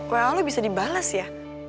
wl bisa dibalas ya